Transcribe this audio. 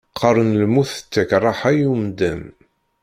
Qqaren lmut tettak rraḥa i umdan.